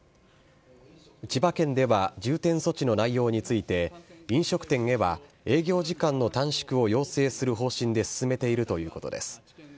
千葉県では重点措置の内容について、飲食店へは営業時間の短縮を要請する方針で進めているということです。